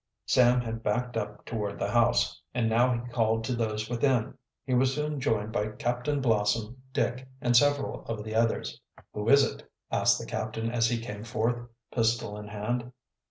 Sam had backed up toward the house, and now he called to those within. He was soon joined by Captain Blossom, Dick, and several of the others. "Who is it?" asked the captain, as he came forth, pistol in hand.